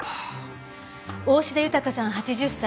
大志田豊さん８０歳。